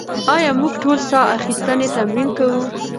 ایا موږ ټول ساه اخیستنې تمرین کوو؟